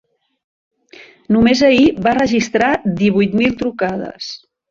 Només ahir va registrar divuit mil trucades.